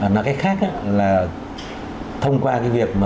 nói cách khác là thông qua cái việc mà